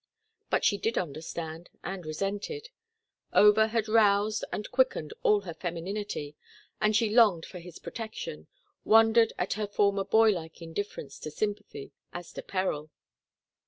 But she did understand, and resented. Over had roused and quickened all her femininity, and she longed for his protection, wondered at her former boy like indifference to sympathy as to peril.